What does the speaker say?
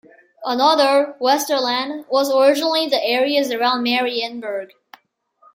Another, Westerland, was originally the areas around Marienburg.